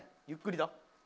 ゆっくりな。